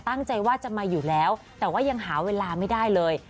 ตั้งใจว่าจะมาอยู่แล้วแต่ว่ายังหาเวลาไม่ได้เลย